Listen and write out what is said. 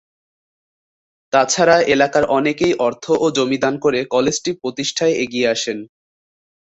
তাছাড়া এলাকার অনেকেই অর্থ ও জমি দান করে কলেজটি প্রতিষ্ঠায় এগিয়ে আসেন।